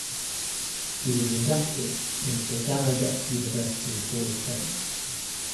She was inducted into the Gallaudet University Hall of Fame.